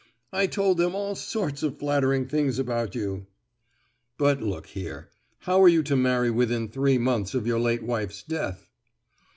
"I told them all sorts of flattering things about you." "But, look here, how are you to marry within three months of your late wife's death?"